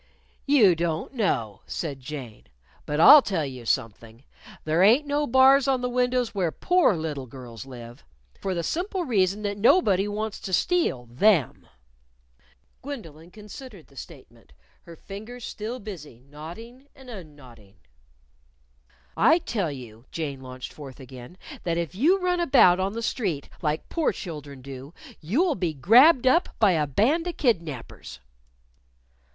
"You don't know," said Jane. "But I'll tell you something: There ain't no bars on the windows where poor little girls live. For the simple reason that nobody wants to steal them." Gwendolyn considered the statement, her fingers still busy knotting and unknotting. "I tell you," Jane launched forth again, "that if you run about on the street, like poor children do, you'll be grabbed up by a band of kidnapers."